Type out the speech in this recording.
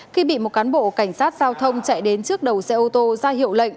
khi bị một cán bộ cảnh sát giao thông chạy đến trước đầu xe ô tô ra hiệu lệnh